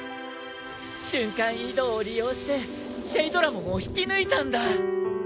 瞬間移動を利用してシェイドラモンを引き抜いたんだ。